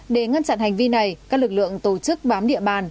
để ngăn chặn hành vi này các lực lượng tổ chức bám địa bàn